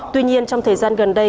tuy nhiên trong thời gian gần đây